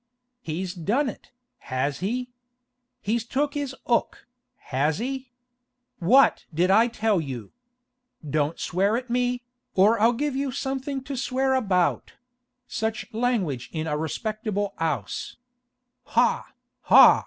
'He's done it, has he? He's took his 'ook, has he? What did I tell you? Don't swear at me, or I'll give you something to swear about—such languidge in a respectable 'ouse! Ha, ha?